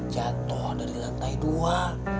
jatuh dari lantai dua